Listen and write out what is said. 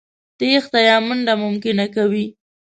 تېښته يا منډه ممکنه کوي.